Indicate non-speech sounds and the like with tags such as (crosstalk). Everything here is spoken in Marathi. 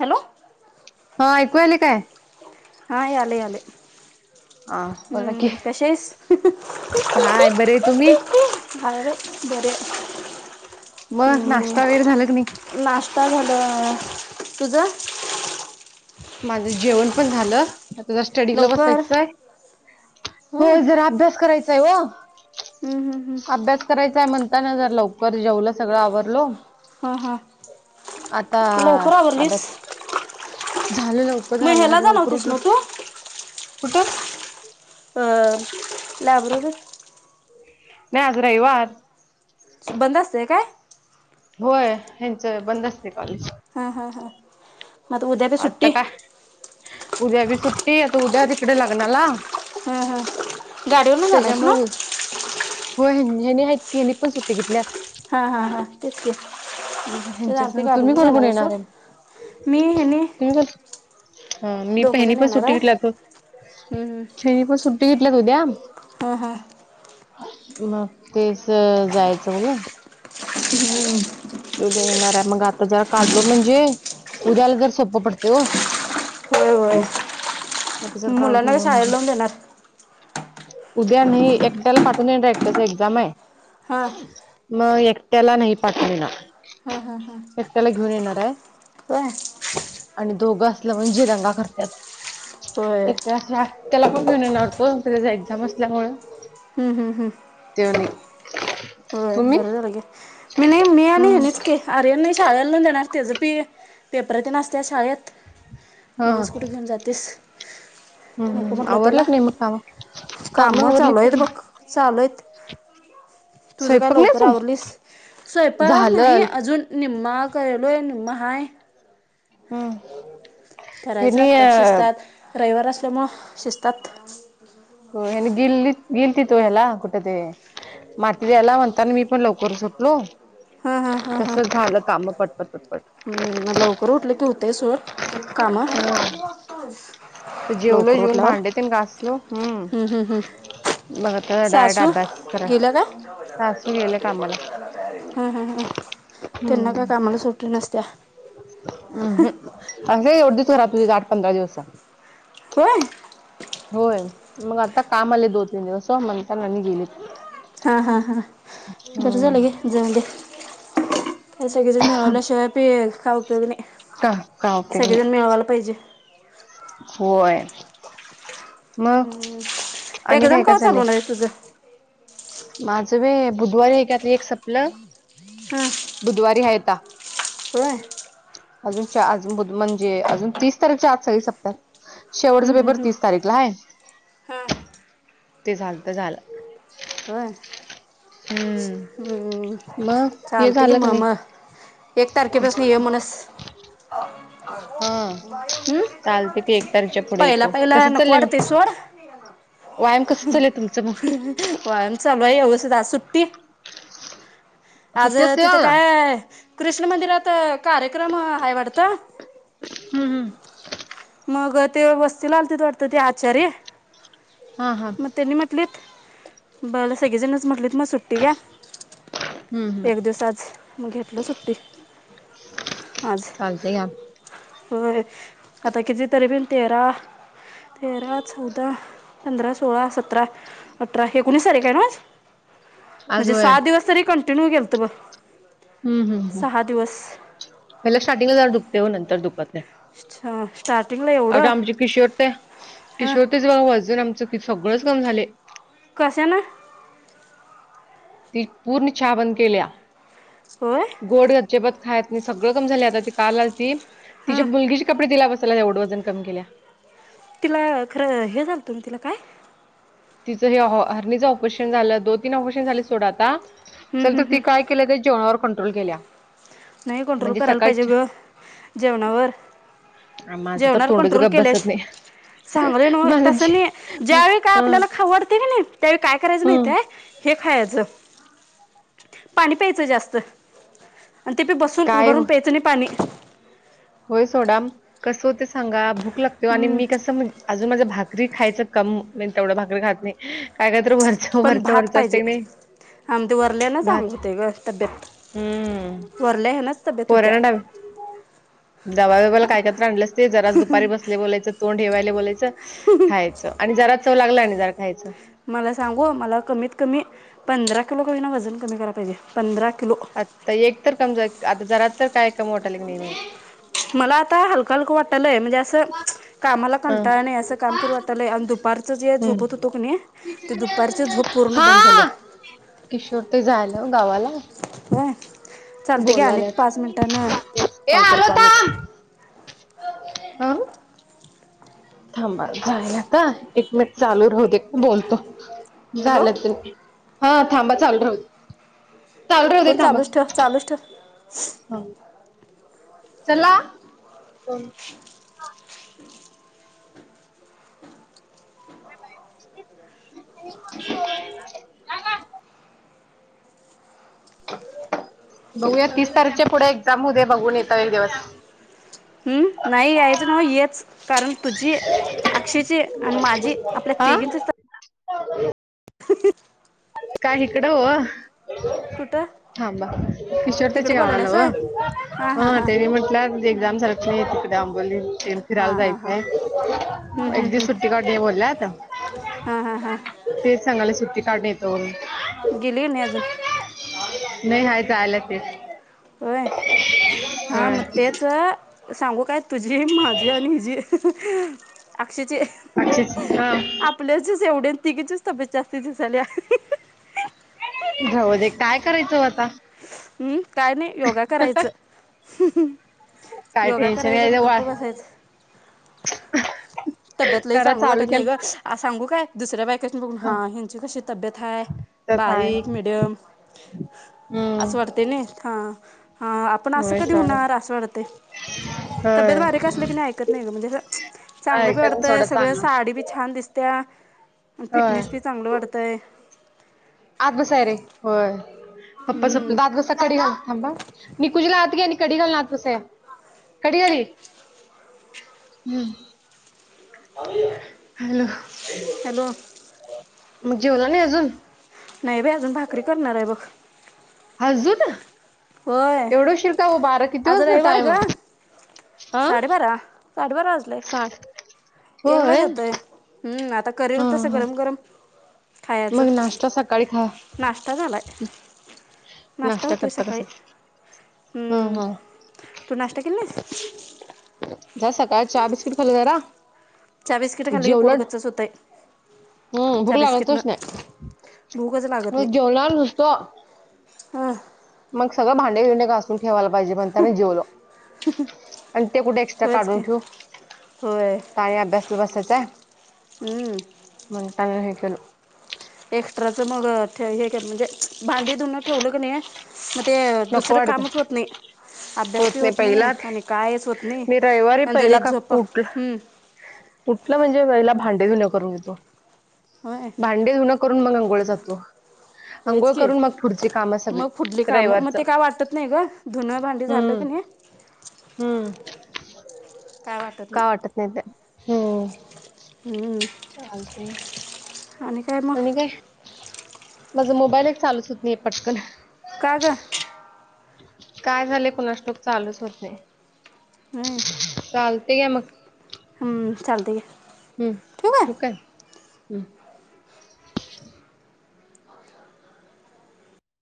हॅलो हा ऐकू यालय काय? हा यालय यालय. हा बोला की कशी आहेस? हाय बरे तुम्ही हाय बाई बरी हाय. मग नाश्ता वगैरे झाला की नाही? नाश्ता झालं. तुझं? माझं जेवण पण झालं. आता स्टडीला लवकर बसायचय. हो होय जरा अभ्यास करायचाय ओ. हम्म हम्म हम्म अभ्यास करायचा आहे म्हणता ना जर लवकर जेवलं सगळं आवरलो. हां हां आता लवकर आवरलीस अभ्यास- झालं लवकर मी ह्याला झालं जाणार लवकर होतीस उठलं. ना तू कुठ? आ लायब्ररीत. नाही आज रविवार. बंद असते काय? होय. हेंच बंद असते कॉलेज. हा हा हा. आता काय. उद्या बी सुट्टी आता उद्या तिकडे लग्नाला. हां हां गाडीवरून जाणार आहेस त्याच्यामुळे ना हो हो हेनी हयात हनी पण सुट्टी घेतल्या. हा हा हा. तेच ते. (unintelligible) ह्यांच्या संग तुम्ही कोण जाणार कोण आहे येणार सोड मी हेनी हा मी हेनी दोघंजण पण येणार सुट्टी घेतल्या आहे सोड हेनी पण सुट्टी घेतल्या टल्या त उद्या हा हा. मग तेच जायचं म्हणुंग हम्म. उद्या येणार आहे मग आता जरा काढलो म्हणजे उद्याला जर सोपं पडते ओ. होय होय. आता जर काढून मुलांना काय ठेवलं शाळेला म्हणजे लावून देणार. उद्या एकट्याला पाठून देणार उद्या एकच एक्झाम आहे. हां. मग एकट्याला नाही पाठवणार, हा हा हा एकट्याला घेऊन येणार आहे. होय. आणि दोघं असलं म्हणजे दंगा करतात. होय एक. त्याला पण घेऊन येणार तो त्याचा एक्झाम असल्यामुळे. हम्म हम्म हम् होय तुम्ही बरं झालं गे मी नाही मी आणि हम्म ह्यानीच आर्यन नाही शाळला लून देणार त्याच बी पेपर असतात शाळेत. हा हा. उगाच कुठे घेऊन जातीस. हम्म हम्. आवरलं की नाही मग काम काम आवरली चालूयत सगळी बघ. चालूयत. तुझ काय स्वयंपाक नाही लवकर अजून आवरलीस स्वयंपाक नाही. झालल अजून निम्मा काय लो निममाहाा.. हम. करायच आता शिजतात रविवार असल्या मग शिजतात. त गिली गिलती तो ह्याला कुठ ते माती द्यायला म्हणताना मी पण लवकर सुटलो.. हा हा हा हा तस झालं काम पटपट पटपट हम् लवकर उठले की उ ते सुर काम जेवलो लवकर जेऊन उठल्यावर भांड्यातन गाासलो हम्म हम्म हम्म मग आता डायरेक्ट सासू अभ्यास कराय गेलं का सासू गेले कामाला ह ह ह त्यांना का कामाला सुटली नसत्या. हम्म हम आ उढदी तरा तुझ दठ पंरा दिवस. होय. होय मग आता काम आले दोन तीन दिवस हो म्हणतानानी गेले. हा हा हा बरं हम्म झालं गे जाऊन द्या.. का सगळेजण मिळवल्याशिवाय प का उपयोग नाही का का उपयोग नाही सगळेजण मिळवायला पाहिजे. होय. मग हम्म आणि एकदम काय काय का चाललंय चालवणार तुझं माझं वे बुधवारी हे कात एक सपलं. हम. बुधवारी हयता. हो अजून अज म्हणजे अजून तीस तारीखच्या आज सगळी सप्ताह. शेवटचा पेपर तीस तारीखला आहे. हा. ते चालत झालं. होय. हम्म हम्म मग हे चालतेिक झालं की नाही मम एक तारखेपासून ये म्हणस. हा चालते की एक तारीखच्या हम् पुढे पहिला येतो पहिला कसं नको चाललंय वाटतंय मग सोड.. व्यायाम कस चाल तुमचं मग वय चचाल आहेगसध सुट्टी. (unintelligible) (inaudible) आज सुट्टी असते का तिथं हम्म काय कृष्ण मंदिरात कार्यक्रम आहे वातट. हम्म हम्म मग ते वस्ती ला आलती वाटत ते आचार्य हा हा म त्यांनी म्हटलेत बला सगळेजणच म्हटलेत मग सुट्टी घ्या.. हम्म हम्म एक दिवस आज मग घेतलं सुट्टी आज चालते घ्या हो आता कितीतरी बिन तेरा तेरा चौदा पंधरा सोळा सतरा अठरा एकोणीस तारीख आहे ना. आज म्हणजे होय सहा दिवस तरी कंटिन्यू गेल तर ब हम्म हम्म हम् पहिला स्टार्टिंगला जा दुखते हो नंतर दुखतल्या अच्छा स्टार्टिंग! आता आमचे किशोर ते किशोर तेच बा वजन आमचं सगळंच कम झाले. कसें ना. ती पूर्ण छाबन केल्या. होय. गोड गजबत खा नाही सगळं क झाली आ ती काल त ति हां मुलगी कपडे तीला बसला एवढं वजन कमी केल्या. तिला खरं हे झालतं ना तिला काय? तिचं हे हर्नीचं ऑपरेशन झालं दोन तीन ऑपरेशन झाले सोड आता. हं, चल हं, तर ती हं. काय केल्या जेवणावर कंट्रोल केल्या. नाही कंट्रोल म्हणजे करायला सकाळी पाहिजे ग, चहा- जेवणावर. माझं तर जेवणार तोंडच कंट्रोल गप केल्या बसत शि, नाही सांगालोय नवं माझं तस जे- नाही, मला- ज्यावेळी काय हं, आपल्याला खाऊ वाटतंय कणी. त्यावेळी काय करायचं माहित हं. आहे, हे खायचं, पाणी प्यायचं जास्त. आणि ते बी बसून काय हो उभारून प्यायचं नाही पाणी. होय सोडा, कसं होतय सांगा भूक लागते वो आणि हं, मी कसं म्हण अजून माझं भाकरी खायचं कम तेवढं भाकरी खात नाही. काय काय तर वरच वरच वरच असतय कनाय आम ते वरल्यालाच आंग होते ग तब्येत, हम्म वरल्या हिलाच तब्येत होत्या. (inaudible) दबा दबायाला काय काय तर आणल्यास ते जराजच दुपारी बसले बोलायचं तोंड हे वायलय बोलायचं, खायचं. आणि जरा चव लागला आणि जरा खायचं. मला सांगू मला कमीत कमी, पंधरा किलो कमी ना वजन कमी करायला पाहिजे पंधरा किलो. आता एक तर कमज आता जरा तर काय कम वाटायलय का नाही मग. मला आता हलकं हलकं वाटलय म्हणजे अस त, कामाला हं, कंटाळा नाही असं काम करू वाटलंय आणि दुपारच जे झोपत हम्म. होतो कनाही. ती दुपारची झोप पूर्ण हा बंद झाल्या. किशोर ते झायल गावाला. होय, चालते घे अनेक बोलवाल्यात पाच मिनिटना, कॉल करतो अनेक. आं. थांबा जायलाता एक मिनिट चालू राहू दे बोलतो, हॅलो झालं त हा थांबा चालू राहू दे. चालू राहू दे फोन थांबा चालूच ठेव, हा. चालूच ठेव. चला, कोण? (inaudible) (unintelligible) बघूया तीस तारीखच्या पुढे एक्झाम होउदे बघून येता येईल एक दिवस. हम्म, नाही यायच नाव येच, कारण तुझी अक्षेची आणि माझी आपल्या हा तिघींचीच (unintelligible) काय हिकडं ओ. कुठ? थाबा किशोर त्याची गावा ला ओ हां हां हं हां तेनी म्हटलं एक्झाम झाल्या (unintelligible) आंबोली तेन फिरायला हां हां जायच हां हम्म, हम्म, एक दिवस हम्म. सुट्टी का बोलल्यात. हा हा हा. तेच सांगायलोय सुट्टी काढून येतो म्हणून. गेली की नाही अजून. नाही हाय जायाल्यात तेच. होय, हा म तेच, सांगू काय तुझी माझी आणि हिजी अकक्षाची. अकक्षाची हा. आपल्याचच एवढ्या तिघीचीच तब्येत जास्ती दिसायल्या. जाऊ दे काय करायचं ओ आता. हम्म काय नाही योगा करायचं. काय योगा टेन्शन करायच आणि घ्यायचं वा गप्प बसायचं. (inaudible) तब्येत लइ करा चांगली चालू वाटत नाही ग, केलं सांगू काय दुसऱ्या बायकाची बघून ह्यांची कशी तब्येत हाय. तर काय बारीक, मिडियम असं हम्म वाटते नाही हा, हा आपण असं होय कधी सर होणार असं वाटते. तब्येत होय बारीक असलं की नाही ऐकत नाही ग, म्हणजे चांगलं बी ऐकत वाटतंय सोडा सगळ चांगलं साडी बी छान दिस त्या, होय फिटनेस बी चांगलं वाटतंय आत बसाय रे होय, पप्पा हम्म सोबत दा (unintelligible) कडी घाल थांब हं, निकुंजला आत घे आणि कडी घाल आत पुसाया, कडी घाल ही. हम्म. हॅलो? हॅलो मग जेवला नाही अजून? नाही बाइ अजून भाकरी करणार आहे बघ. अजू ना? होय, आज वाजलं रविवार ग, टाइम हा साडेबारा साडे बारा वाजलाय, साठ एकला च होय येतोय, हा हम्म आता करेल तसं हा गरम गरम. खायचं मग नाश्ता सकाळी खा, नाश्ता झालाय नाश्ता होतोय करता. सकाळी हा हम्म हा. तू नाश्ता केला नाहीस जरा सकाळ चहा बिस्किट खाल्लं जरा. चहा बिस्किट खाल्ली की पोट जेवलात गच्चच होतंय हम्म, भुक चहा बिस्किटनं लागतच नाही. भूकच लागत मि नाही जेवनार नुसतो. हां मग सगळ भांडे भिंडे घासून ठेवायला पाहिजे म्हणता जेवलो आणि ते कुठे एक्स्ट्रा होयच काढून की ठेवू?? होय ताई अभ्यासला बसायच आहे, हम्म मग त्यान हे केलं. एक्स्ट्राचं मग हे म्हणजे भांडी धुन ठेवलं क नाही? मग ते नको दुसरं वाटत कामच होत नाही. अभ्यास बी होत नाही आणि कायच होत नाही मी आणि जरी झोप, हम्म. ऊठलं म्हणजे वेळेला भांडे धुन करून घेतो, होय भांडेधुन करून मग अंघोळ जातो, होयच अंघोळ की करून मग पुढची काम सगळी मग फुडली कामं रविवार मग ते काय वाटत नाही ग, धुन भांडी झालं क नाही. हम्म. काय वाटत नाही ते हम्म. हम्म. चालते आणि काय आणि मग काय? माझा मोबाईलच चालूच होत नाही पटकन. काग? काय झाले कुणास ठाऊक, चालूच होत नाही. नाय चालतेया मग हम्म, चालते ग हम्म. ठेवू का? हम.